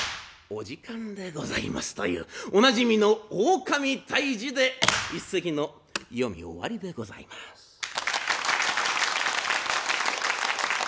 お時間でございますというおなじみの「狼退治」で一席の読み終わりでございます。